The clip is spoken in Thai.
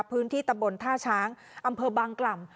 พื้นที่ตำบลท่าช้างอำเภอบางกล่ำ